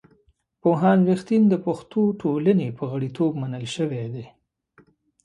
پوهاند رښتین د پښتو ټولنې په غړیتوب منل شوی دی.